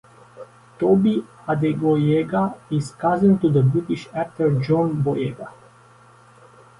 Tobi Adegboyega is cousin to the British actor John Boyega.